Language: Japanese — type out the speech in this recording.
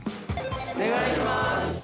お願いします。